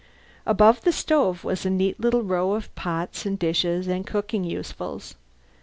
Above the stove was a neat little row of pots and dishes and cooking usefuls.